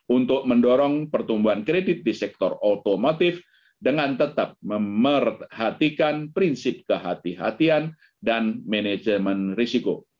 untuk mendorong pertumbuhan kredit di sektor otomotif dengan tetap memperhatikan prinsip kehati hatian dan manajemen resiko